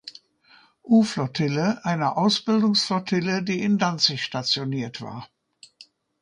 U-Flottille, einer Ausbildungsflottille, die in Danzig stationiert war.